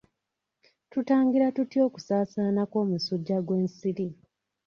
Tutangira tutya okusaasaana kw'omusujja gw'ensiri?